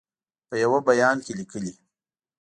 په یوه بیان کې لیکلي